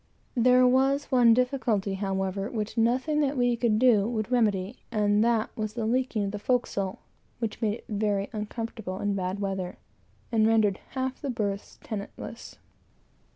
There was one difficulty, however, which nothing that we could do would remedy; and that was the leaking of the forecastle, which made it very uncomfortable in bad weather, and rendered half of the berths tenantless.